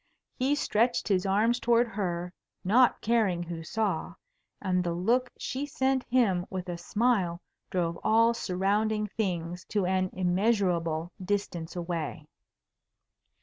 He stretched his arms towards her, not caring who saw, and the look she sent him with a smile drove all surrounding things to an immeasurable distance away.